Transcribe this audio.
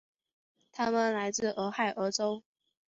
他们来自俄亥俄州。